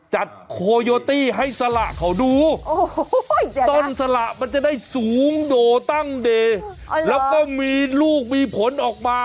จัดโคโยตี้ให้สละเขาดูโอ้โหต้นสละมันจะได้สูงโดตั้งเดแล้วก็มีลูกมีผลออกมา